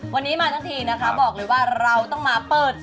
วันนี้มาทั้งทีนะคะบอกเลยว่าเราต้องมาเปิด